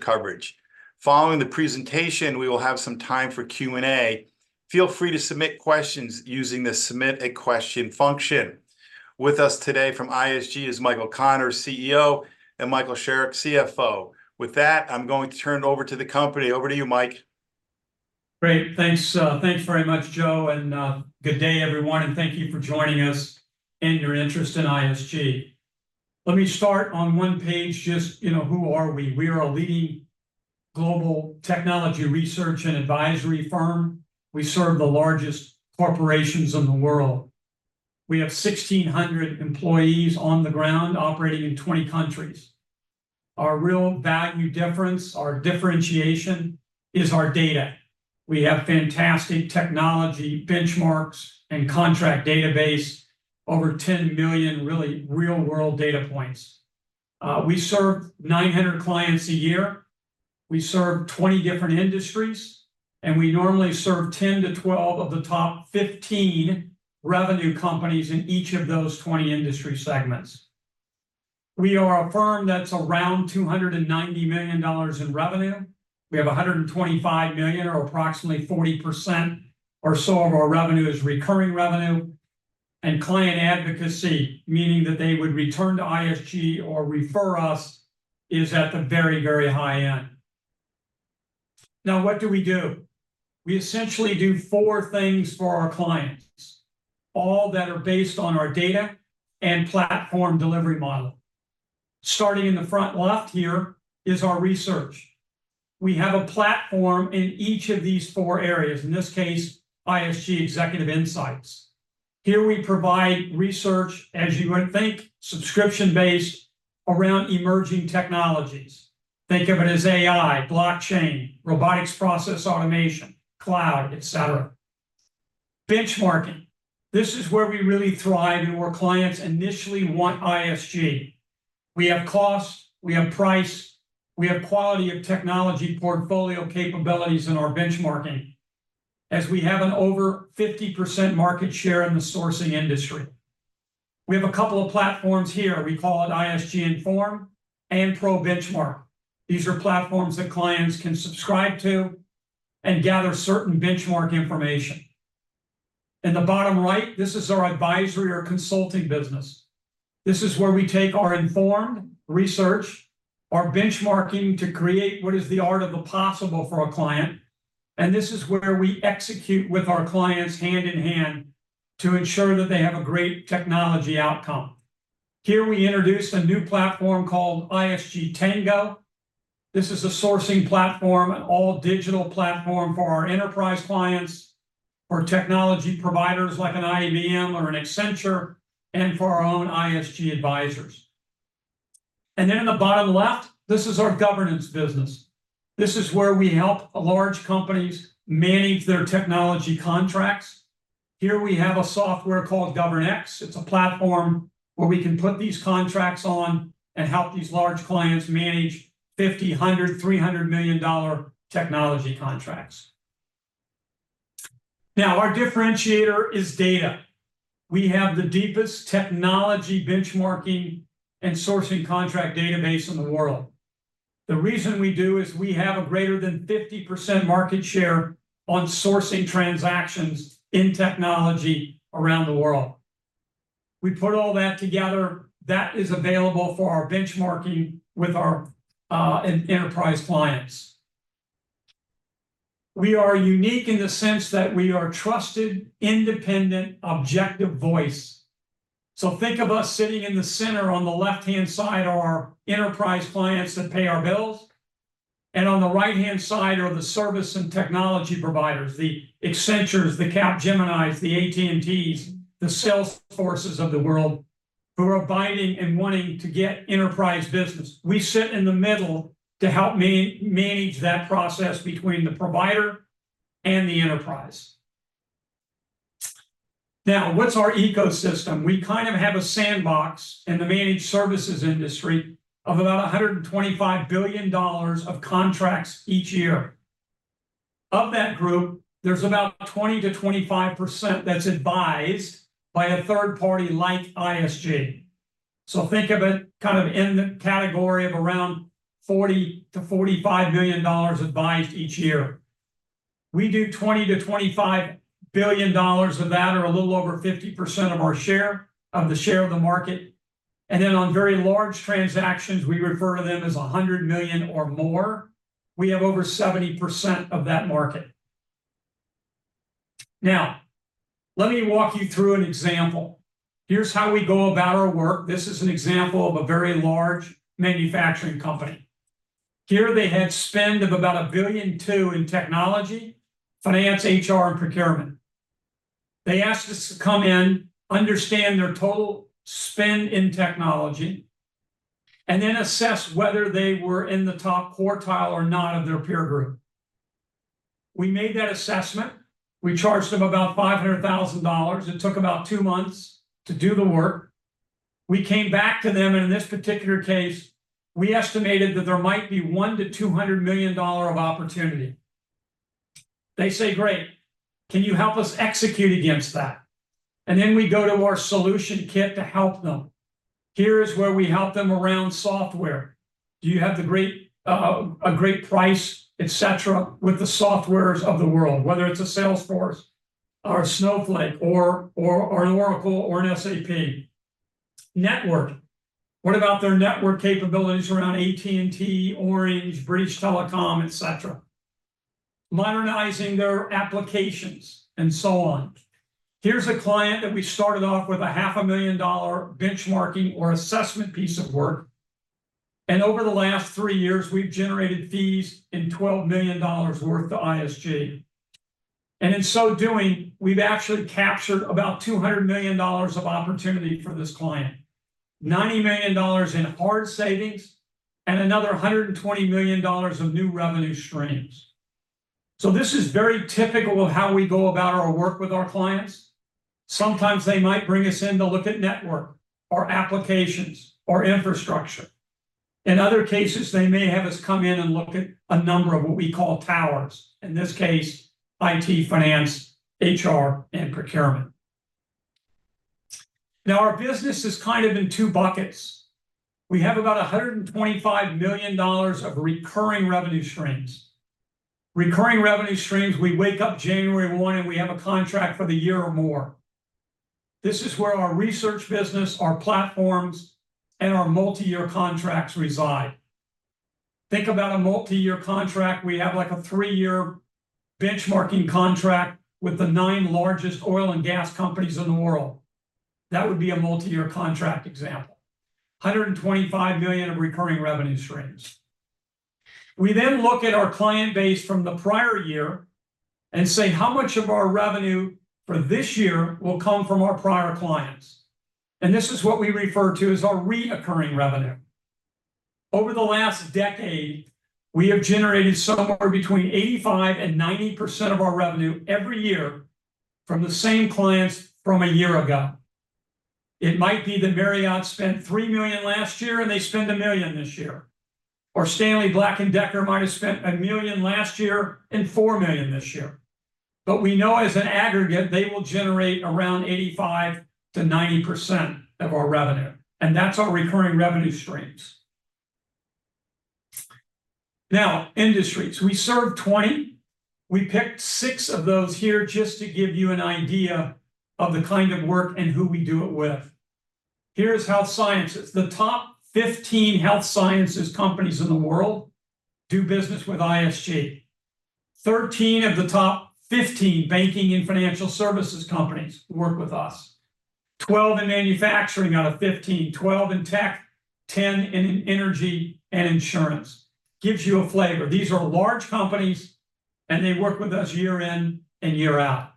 Coverage. Following the presentation, we will have some time for Q&A. Feel free to submit questions using the Submit a Question function. With us today from ISG is Michael Connors, CEO, and Michael Sherrick, CFO. With that, I'm going to turn it over to the company. Over to you, Mike. Great. Thanks. Thanks very much, Joe. And good day, everyone. And thank you for joining us and your interest in ISG. Let me start on one page. Just, you know, who are we? We are a leading global technology research and advisory firm. We serve the largest corporations in the world. We have 1,600 employees on the ground, operating in 20 countries. Our real value difference, our differentiation, is our data. We have fantastic technology benchmarks and contract database, over 10 million, really, real-world data points. We serve 900 clients a year. We serve 20 different industries. And we normally serve 10-12 of the top 15 revenue companies in each of those 20 industry segments. We are a firm that's around $290 million in revenue. We have $125 million, or approximately 40% or so of our revenue is recurring revenue. Client advocacy, meaning that they would return to ISG or refer us, is at the very, very high end. Now, what do we do? We essentially do four things for our clients, all that are based on our data and platform delivery model. Starting in the front left here is our research. We have a platform in each of these four areas, in this case, ISG Executive Insights. Here we provide research, as you would think, subscription-based, around emerging technologies. Think of it as AI, blockchain, robotic process automation, cloud, etc. Benchmarking. This is where we really thrive and where clients initially want ISG. We have cost, we have price, we have quality of technology portfolio capabilities in our benchmarking, as we have an over 50% market share in the sourcing industry. We have a couple of platforms here. We call it ISG Inform and ProBenchmark. These are platforms that clients can subscribe to and gather certain benchmark information. In the bottom right, this is our advisory or consulting business. This is where we take our informed research, our benchmarking to create what is the art of the possible for a client. And this is where we execute with our clients hand in hand to ensure that they have a great technology outcome. Here we introduced a new platform called ISG Tango. This is a sourcing platform, an all-digital platform for our enterprise clients, for technology providers like an IBM or an Accenture, and for our own ISG advisors. And then in the bottom left, this is our governance business. This is where we help large companies manage their technology contracts. Here we have a software called GovernX. It's a platform where we can put these contracts on and help these large clients manage $50 million, $100 million, $300 million technology contracts. Now, our differentiator is data. We have the deepest technology benchmarking and sourcing contract database in the world. The reason we do is we have a greater than 50% market share on sourcing transactions in technology around the world. We put all that together, that is available for our benchmarking with our enterprise clients. We are unique in the sense that we are trusted, independent, objective voice. So think of us sitting in the center, on the left-hand side are our enterprise clients that pay our bills. And on the right-hand side are the service and technology providers, the Accenture, the Capgemini, the AT&Ts, the Salesforces of the world who are abiding and wanting to get enterprise business. We sit in the middle to help manage that process between the provider and the enterprise. Now, what's our ecosystem? We kind of have a sandbox in the managed services industry of about $125 billion of contracts each year. Of that group, there's about 20%-25% that's advised by a third party like ISG. So think of it kind of in the category of around $40 million-$45 million advised each year. We do $20 billion-$25 billion of that, or a little over 50% of our share of the share of the market. And then on very large transactions, we refer to them as $100 million or more. We have over 70% of that market. Now, let me walk you through an example. Here's how we go about our work. This is an example of a very large manufacturing company. Here they had spend of about $1.2 billion in technology, finance, HR, and procurement. They asked us to come in, understand their total spend in technology, and then assess whether they were in the top quartile or not of their peer group. We made that assessment. We charged them about $500,000. It took about two months to do the work. We came back to them, and in this particular case, we estimated that there might be $1-$200 million of opportunity. They say, "Great. Can you help us execute against that?" And then we go to our solution kit to help them. Here is where we help them around software. Do you have a great price, etc., with the softwares of the world, whether it's a Salesforce or a Snowflake or an Oracle or an SAP? Network. What about their network capabilities around AT&T, Orange, British Telecom, etc.? Modernizing their applications and so on. Here's a client that we started off with a $500,000 benchmarking or assessment piece of work. Over the last three years, we've generated fees in $12 million worth to ISG. And in so doing, we've actually captured about $200 million of opportunity for this client, $90 million in hard savings, and another $120 million of new revenue streams. So this is very typical of how we go about our work with our clients. Sometimes they might bring us in to look at network, our applications, our infrastructure. In other cases, they may have us come in and look at a number of what we call towers. In this case, IT, finance, HR, and procurement. Now, our business is kind of in two buckets. We have about $125 million of recurring revenue streams. Recurring revenue streams, we wake up January 1, and we have a contract for the year or more. This is where our research business, our platforms, and our multi-year contracts reside. Think about a multi-year contract. We have like a 3-year benchmarking contract with the 9 largest oil and gas companies in the world. That would be a multi-year contract example. $125 million of recurring revenue streams. We then look at our client base from the prior year and say how much of our revenue for this year will come from our prior clients. And this is what we refer to as our recurring revenue. Over the last decade, we have generated somewhere between 85%-90% of our revenue every year from the same clients from a year ago. It might be that Marriott spent $3 million last year, and they spend $1 million this year. Or Stanley Black & Decker might have spent $1 million last year and $4 million this year. But we know, as an aggregate, they will generate around 85%-90% of our revenue. And that's our recurring revenue streams. Now, industries. We serve 20. We picked six of those here just to give you an idea of the kind of work and who we do it with. Here is health sciences. The top 15 health sciences companies in the world do business with ISG. 13 of the top 15 banking and financial services companies work with us. 12 in manufacturing out of 15, 12 in tech, 10 in energy and insurance. Gives you a flavor. These are large companies, and they work with us year in and year out.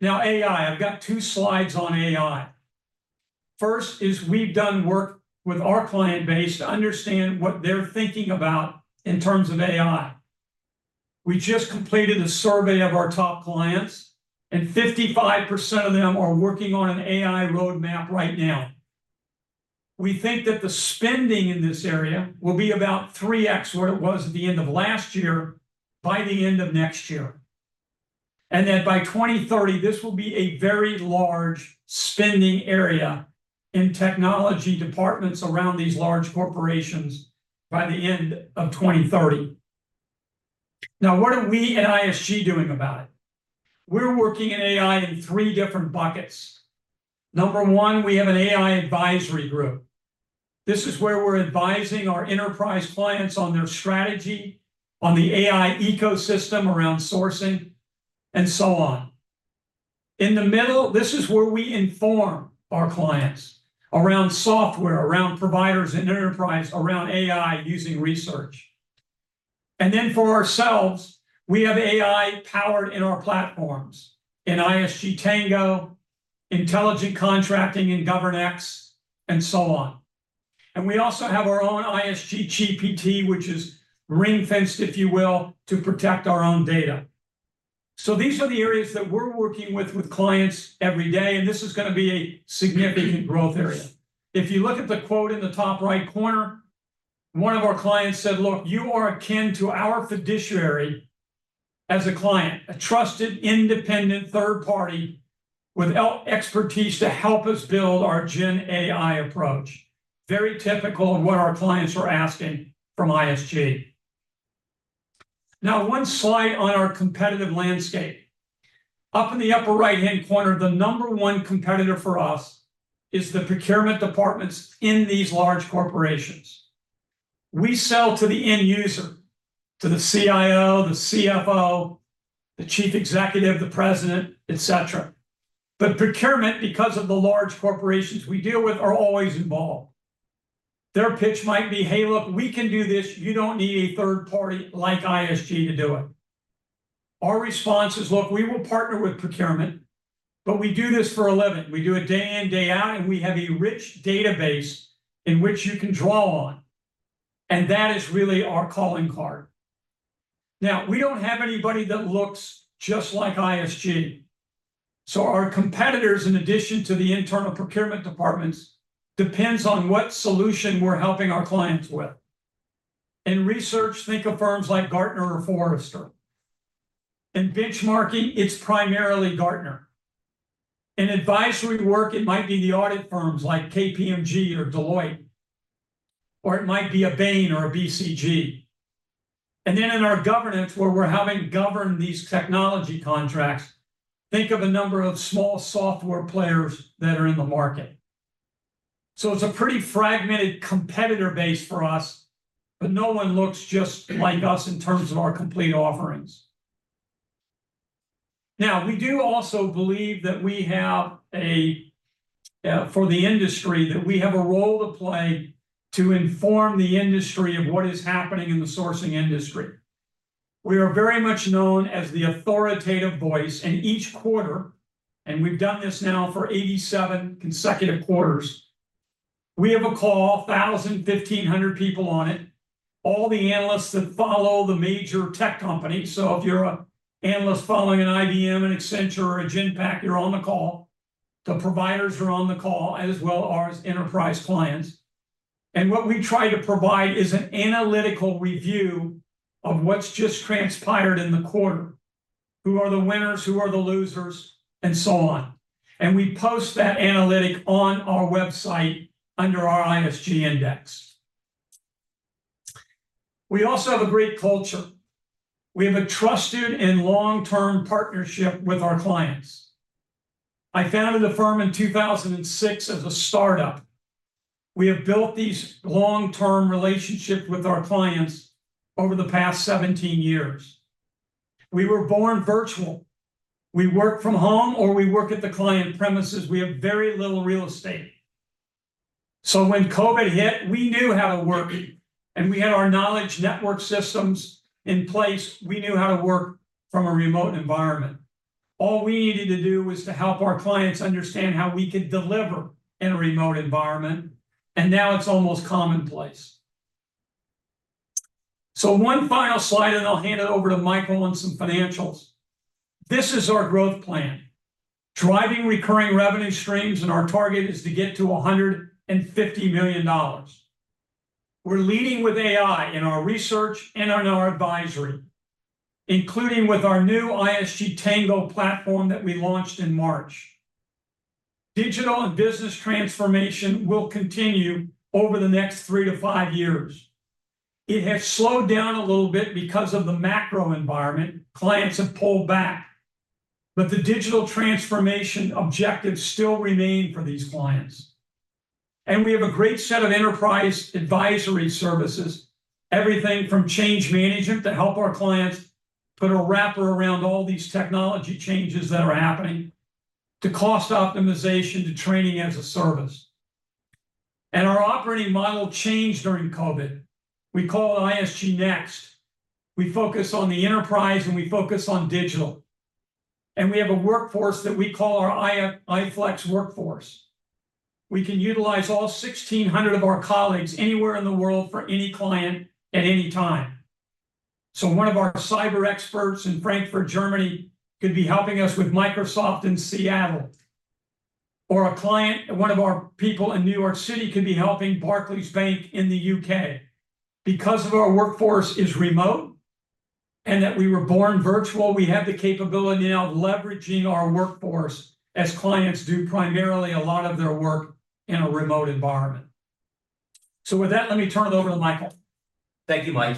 Now, AI. I've got two slides on AI. First is we've done work with our client base to understand what they're thinking about in terms of AI. We just completed a survey of our top clients, and 55% of them are working on an AI roadmap right now. We think that the spending in this area will be about 3x what it was at the end of last year by the end of next year. And that by 2030, this will be a very large spending area in technology departments around these large corporations by the end of 2030. Now, what are we at ISG doing about it? We're working in AI in three different buckets. Number one, we have an AI advisory group. This is where we're advising our enterprise clients on their strategy, on the AI ecosystem around sourcing, and so on. In the middle, this is where we inform our clients around software, around providers in enterprise, around AI using research. And then for ourselves, we have AI powered in our platforms in ISG Tango, Intelligent Contracting in GovernX, and so on. And we also have our own ISG GPT, which is ring-fenced, if you will, to protect our own data. So these are the areas that we're working with with clients every day. And this is going to be a significant growth area. If you look at the quote in the top right corner, one of our clients said, "Look, you are akin to our fiduciary as a client, a trusted, independent third party with expertise to help us build our Gen AI approach." Very typical of what our clients are asking from ISG. Now, one slide on our competitive landscape. Up in the upper right-hand corner, the number one competitor for us is the procurement departments in these large corporations. We sell to the end user, to the CIO, the CFO, the chief executive, the president, etc. But procurement, because of the large corporations we deal with, are always involved. Their pitch might be, "Hey, look, we can do this. You don't need a third party like ISG to do it." Our response is, "Look, we will partner with procurement, but we do this for a living. We do it day in, day out, and we have a rich database in which you can draw on." And that is really our calling card. Now, we don't have anybody that looks just like ISG. So our competitors, in addition to the internal procurement departments, depend on what solution we're helping our clients with. In research, think of firms like Gartner or Forrester. In benchmarking, it's primarily Gartner. In advisory work, it might be the audit firms like KPMG or Deloitte, or it might be a Bain or a BCG. And then in our governance, where we're helping govern these technology contracts, think of a number of small software players that are in the market. So it's a pretty fragmented competitor base for us, but no one looks just like us in terms of our complete offerings. Now, we do also believe that we have, for the industry, that we have a role to play to inform the industry of what is happening in the sourcing industry. We are very much known as the authoritative voice in each quarter, and we've done this now for 87 consecutive quarters. We have a call, 1,000-1,500 people on it, all the analysts that follow the major tech companies. So if you're an analyst following an IBM, an Accenture, or a Genpact, you're on the call. The providers are on the call, as well as enterprise clients. And what we try to provide is an analytical review of what's just transpired in the quarter, who are the winners, who are the losers, and so on. And we post that analytic on our website under our ISG Index. We also have a great culture. We have a trusted and long-term partnership with our clients. I founded the firm in 2006 as a startup. We have built these long-term relationships with our clients over the past 17 years. We were born virtual. We work from home or we work at the client premises. We have very little real estate. When COVID hit, we knew how to work. We had our knowledge network systems in place. We knew how to work from a remote environment. All we needed to do was to help our clients understand how we could deliver in a remote environment. Now it's almost commonplace. One final slide, and I'll hand it over to Michael on some financials. This is our growth plan. Driving recurring revenue streams, and our target is to get to $150 million. We're leading with AI in our research and in our advisory, including with our new ISG Tango platform that we launched in March. Digital and business transformation will continue over the next three to five years. It has slowed down a little bit because of the macro environment. Clients have pulled back. The digital transformation objectives still remain for these clients. We have a great set of enterprise advisory services, everything from change management to help our clients put a wrapper around all these technology changes that are happening, to cost optimization, to training as a service. Our operating model changed during COVID. We call it ISG Next. We focus on the enterprise, and we focus on digital. We have a workforce that we call our iFlex workforce. We can utilize all 1,600 of our colleagues anywhere in the world for any client at any time. So one of our cyber experts in Frankfurt, Germany, could be helping us with Microsoft in Seattle. Or a client, one of our people in New York City, could be helping Barclays Bank in the UK. Because our workforce is remote and that we were born virtual, we have the capability now of leveraging our workforce as clients do primarily a lot of their work in a remote environment. So with that, let me turn it over to Michael. Thank you, Mike.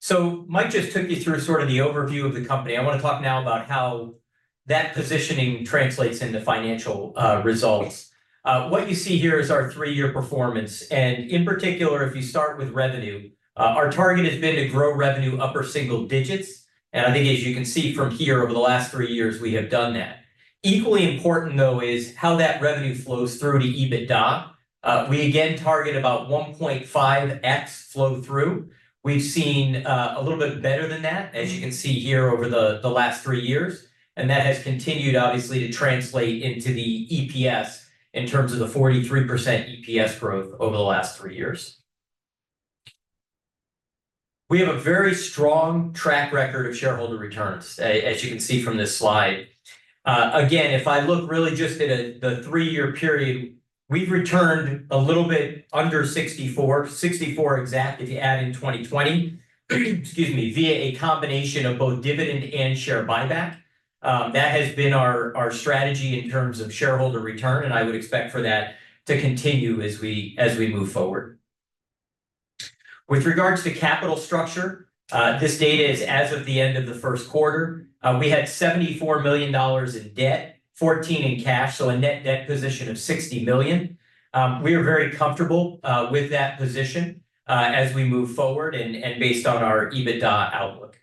So Mike just took you through sort of the overview of the company. I want to talk now about how that positioning translates into financial results. What you see here is our three-year performance. In particular, if you start with revenue, our target has been to grow revenue upper single digits. I think, as you can see from here, over the last three years, we have done that. Equally important, though, is how that revenue flows through to EBITDA. We again target about 1.5x flow-through. We've seen a little bit better than that, as you can see here over the last three years. That has continued, obviously, to translate into the EPS in terms of the 43% EPS growth over the last three years. We have a very strong track record of shareholder returns, as you can see from this slide. Again, if I look really just at the three-year period, we've returned a little bit under 64, 64 exact if you add in 2020, excuse me, via a combination of both dividend and share buyback. That has been our strategy in terms of shareholder return. I would expect for that to continue as we move forward. With regards to capital structure, this data is as of the end of the first quarter. We had $74 million in debt, $14 million in cash, so a net debt position of $60 million. We are very comfortable with that position as we move forward and based on our EBITDA outlook.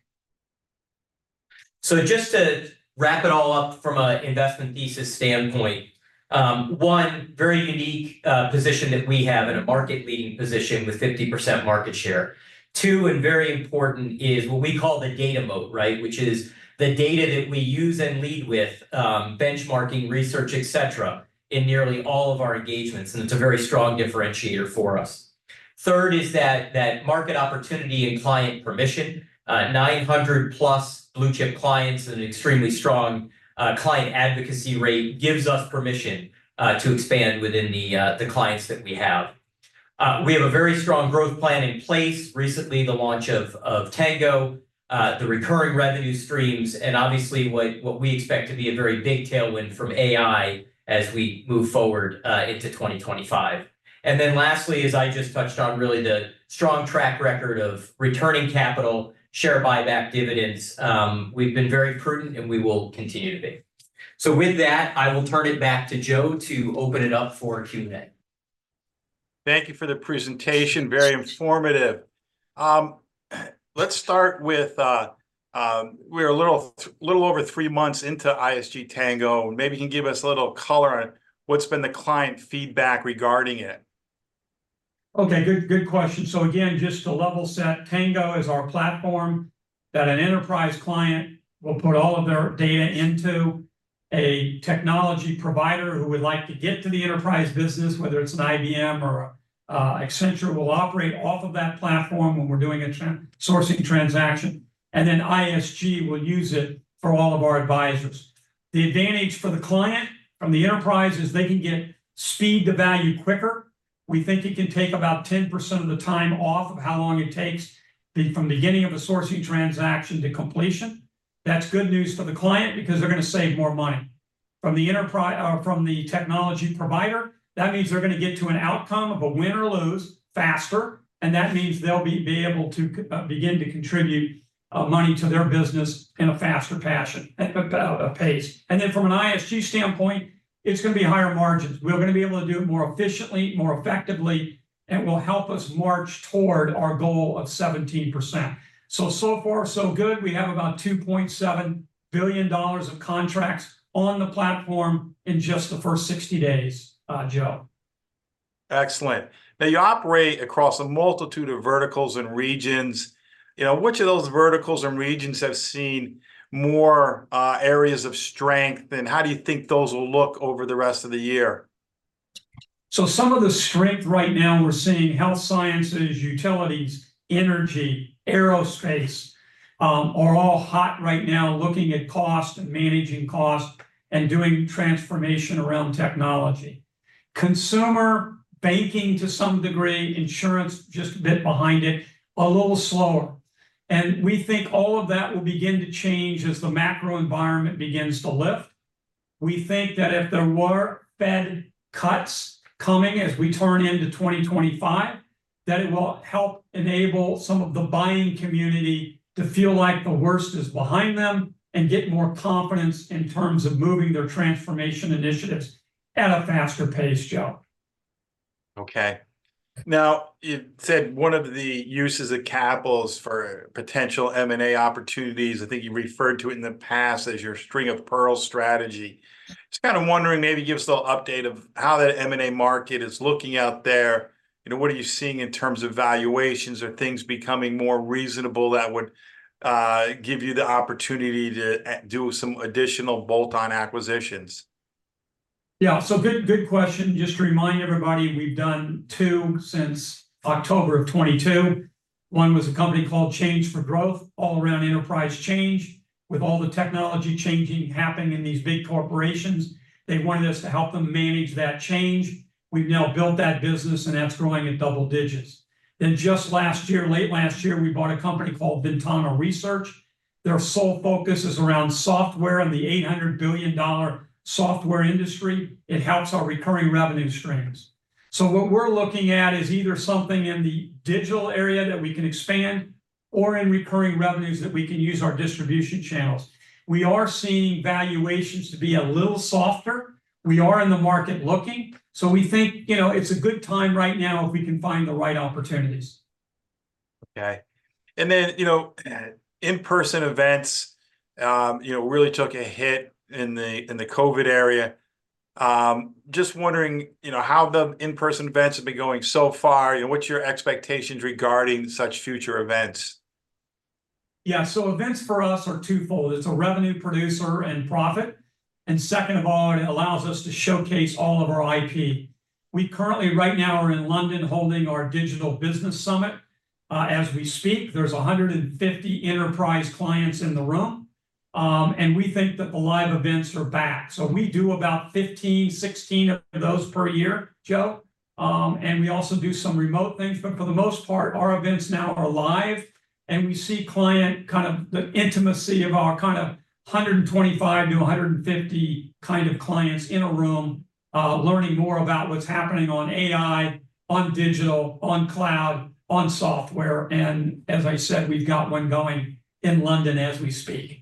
So just to wrap it all up from an investment thesis standpoint, one, very unique position that we have in a market-leading position with 50% market share. Two, and very important, is what we call the data moat, right, which is the data that we use and lead with benchmarking, research, etc., in nearly all of our engagements. And it's a very strong differentiator for us. Third is that market opportunity and client permission. 900+ blue-chip clients and an extremely strong client advocacy rate gives us permission to expand within the clients that we have. We have a very strong growth plan in place, recently the launch of Tango, the recurring revenue streams, and obviously what we expect to be a very big tailwind from AI as we move forward into 2025. Then lastly, as I just touched on, really the strong track record of returning capital, share buyback, dividends. We've been very prudent, and we will continue to be. So with that, I will turn it back to Joe to open it up for Q&A. Thank you for the presentation. Very informative. Let's start with: we're a little over three months into ISG Tango. Maybe you can give us a little color on what's been the client feedback regarding it. Okay. Good question. So again, just to level set, Tango is our platform that an enterprise client will put all of their data into. A technology provider who would like to get to the enterprise business, whether it's an IBM or Accenture, will operate off of that platform when we're doing a sourcing transaction. And then ISG will use it for all of our advisors. The advantage for the client from the enterprise is they can get speed to value quicker. We think it can take about 10% of the time off of how long it takes from the beginning of a sourcing transaction to completion. That's good news for the client because they're going to save more money. From the technology provider, that means they're going to get to an outcome of a win or lose faster. And that means they'll be able to begin to contribute money to their business in a faster pace. And then from an ISG standpoint, it's going to be higher margins. We're going to be able to do it more efficiently, more effectively, and it will help us march toward our goal of 17%. So so far, so good. We have about $2.7 billion of contracts on the platform in just the first 60 days, Joe. Excellent. Now, you operate across a multitude of verticals and regions. Which of those verticals and regions have seen more areas of strength, and how do you think those will look over the rest of the year? Some of the strength right now we're seeing health sciences, utilities, energy, aerospace are all hot right now, looking at cost and managing cost and doing transformation around technology. Consumer banking to some degree, insurance just a bit behind it, a little slower. We think all of that will begin to change as the macro environment begins to lift. We think that if there were Fed cuts coming as we turn into 2025, that it will help enable some of the buying community to feel like the worst is behind them and get more confidence in terms of moving their transformation initiatives at a faster pace, Joe. Okay. Now, you said one of the uses of capitals for potential M&A opportunities, I think you referred to it in the past as your string of pearls strategy. Just kind of wondering, maybe give us a little update of how that M&A market is looking out there. What are you seeing in terms of valuations or things becoming more reasonable that would give you the opportunity to do some additional bolt-on acquisitions? Yeah. So good question. Just to remind everybody, we've done 2 since October of 2022. One was a company called Change 4 Growth, all around enterprise change. With all the technology changing happening in these big corporations, they wanted us to help them manage that change. We've now built that business, and that's growing at double digits. Then just last year, late last year, we bought a company called Ventana Research. Their sole focus is around software and the $800 billion software industry. It helps our recurring revenue streams. So what we're looking at is either something in the digital area that we can expand or in recurring revenues that we can use our distribution channels. We are seeing valuations to be a little softer. We are in the market looking. So we think it's a good time right now if we can find the right opportunities. Okay. And then in-person events really took a hit in the COVID era. Just wondering how the in-person events have been going so far, and what's your expectations regarding such future events? Yeah. So events for us are twofold. It's a revenue producer and profit. And second of all, it allows us to showcase all of our IP. We currently, right now, are in London holding our Digital Business summit. As we speak, there are 150 enterprise clients in the room. We think that the live events are back. So we do about 15, 16 of those per year, Joe. We also do some remote things. But for the most part, our events now are live. We see kind of the intimacy of our kind of 125-150 kind of clients in a room learning more about what's happening on AI, on digital, on cloud, on software. As I said, we've got one going in London as we speak.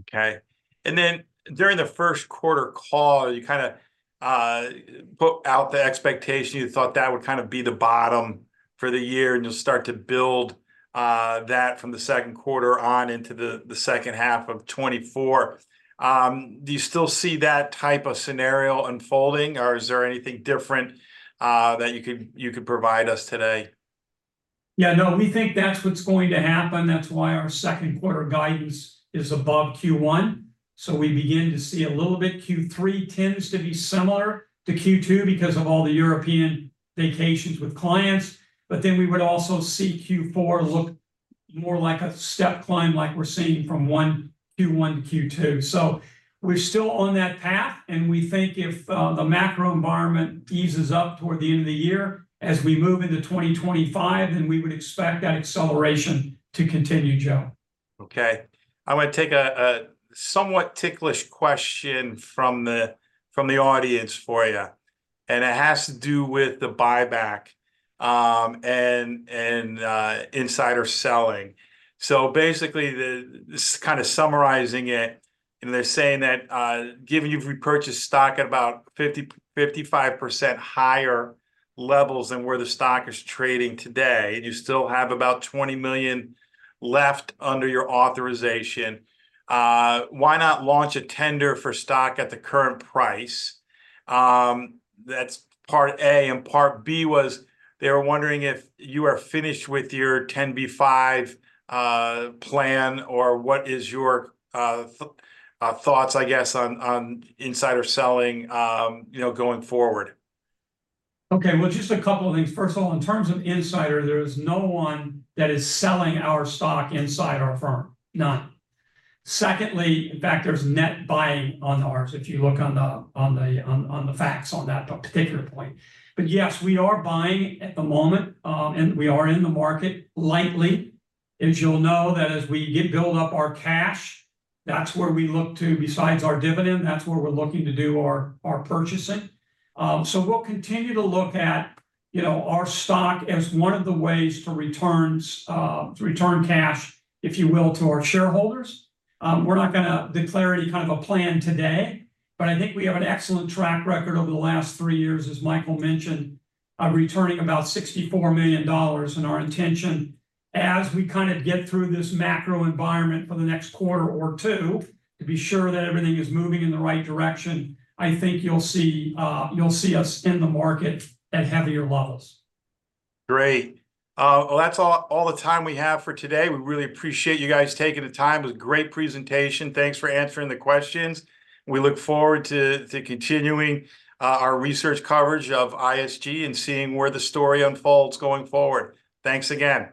Okay. Then during the first quarter call, you kind of put out the expectation. You thought that would kind of be the bottom for the year and just start to build that from the second quarter on into the second half of 2024. Do you still see that type of scenario unfolding, or is there anything different that you could provide us today? Yeah. No, we think that's what's going to happen. That's why our second quarter guidance is above Q1. So we begin to see a little bit. Q3 tends to be similar to Q2 because of all the European vacations with clients. But then we would also see Q4 look more like a step climb like we're seeing from Q1 to Q2. So we're still on that path. And we think if the macro environment eases up toward the end of the year as we move into 2025, then we would expect that acceleration to continue, Joe. Okay. I want to take a somewhat ticklish question from the audience for you. It has to do with the buyback and insider selling. So basically, just kind of summarizing it, they're saying that given you've repurchased stock at about 55% higher levels than where the stock is trading today, and you still have about 20 million left under your authorization, why not launch a tender for stock at the current price? That's part A. And part B was they were wondering if you are finished with your 10b5-1 plan or what is your thoughts, I guess, on insider selling going forward? Okay. Well, just a couple of things. First of all, in terms of insider, there is no one that is selling our stock inside our firm. None. Secondly, in fact, there's net buying on ours if you look on the facts on that particular point. But yes, we are buying at the moment, and we are in the market lightly. As you'll know, that as we build up our cash, that's where we look to besides our dividend, that's where we're looking to do our purchasing. So we'll continue to look at our stock as one of the ways to return cash, if you will, to our shareholders. We're not going to declare any kind of a plan today, but I think we have an excellent track record over the last three years, as Michael mentioned, returning about $64 million. And our intention, as we kind of get through this macro environment for the next quarter or two, to be sure that everything is moving in the right direction, I think you'll see us in the market at heavier levels. Great. Well, that's all the time we have for today. We really appreciate you guys taking the time. It was a great presentation. Thanks for answering the questions. We look forward to continuing our research coverage of ISG and seeing where the story unfolds going forward. Thanks again.